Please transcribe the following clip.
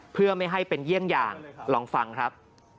เพื่อไม่ให้เป็นเยี่ยงอย่างลองฟังครับ